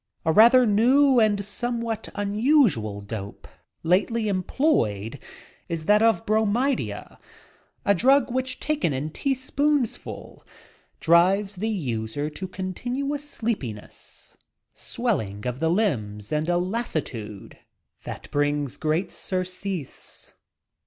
A rather new and somewhat unusual dope lately employed is that of bromidia, a drug which taken in teaspoonsful drives the user to continuous sleepi ness, swelling of the limbs and a lassitude that brings great surcease.